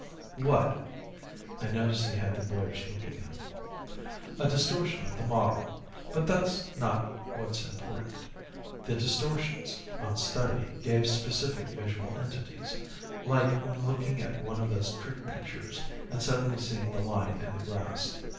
"What?" I noticed he had the boyish look again. "A distortion of the model. But that's not what's important. The distortions, on study, gave specific visual entities. Like when looking at one of those trick pictures and suddenly seeing the lion in the grass.